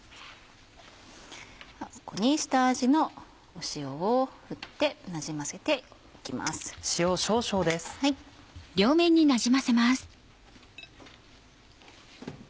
ここに下味の塩を振ってなじませていきます。